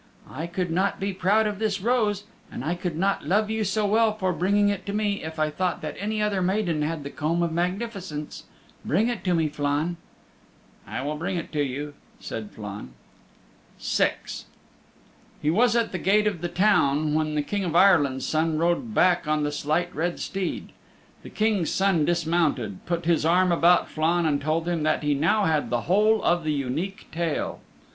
"I could not be proud of this rose, and I could not love you so well for bringing it to me if I thought that any other maiden had the Comb of Magnificence. Bring it to me, Flann." "I will bring it to you," said Flann. VI He was at the gate of the town when the King of Ireland's Son rode back on the Slight Red Steed. The King's Son dismounted, put his arm about Flann and told him that he now had the whole of the Unique Tale.